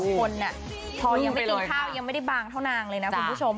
คนพอยังไม่กินข้าวยังไม่ได้บางเท่านางเลยนะคุณผู้ชม